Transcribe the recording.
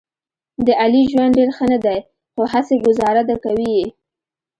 د علي ژوند ډېر ښه نه دی، خو هسې ګوزاره ده کوي یې.